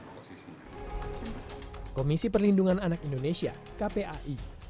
komisi perlindungan anak indonesia kpai menyesalkan kasus pengroyokan tersebut